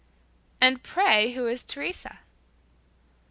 "And, pray, who is Teresa?"